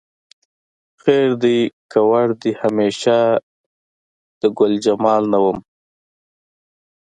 خیر دی که وړ دې همیشه د ګلجمال نه وم